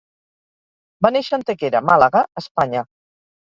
Va néixer a Antequera, Màlaga, Espanya.